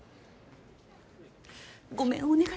ごめんお願い